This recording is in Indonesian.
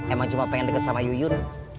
emang cuma pengen deket sama yuyun